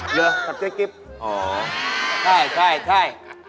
เหรอจากเจ๊กริ๊บอ๋อใช่